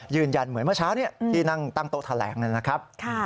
ยืนยันเหมือนเมื่อเช้าที่นั่งตั้งโต๊ะแถลงนะครับ